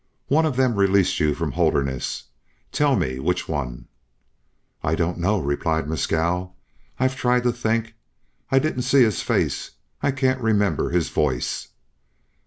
One of them released you from Holderness. Tell me which one?" "I don't know," replied Mescal. "I've tried to think. I didn't see his face; I can't remember his voice."